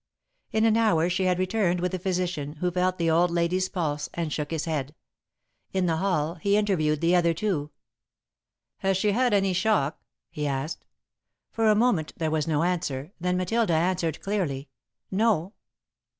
In an hour she had returned with the physician, who felt the old lady's pulse, and shook his head. In the hall, he interviewed the other two. "Has she had any shock?" he asked. For a moment there was no answer, then Matilda answered clearly: "No."